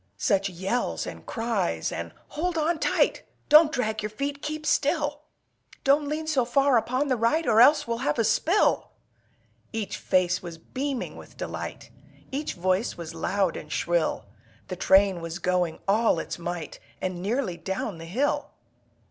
Such yells and cries! and "Hold on tight! Don't drag your feet! Keep still! Don't lean so far upon the right, Or else we'll have a spill!" Each face was beaming with delight, Each voice was loud and shrill, The train was going all its might And nearly down the hill.